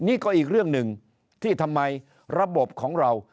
นี่ก็อีกเรื่องหนึ่งที่ทำไมระบบของเรา